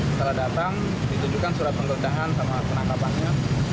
setelah datang ditunjukkan surat penggodaan sama penangkapannya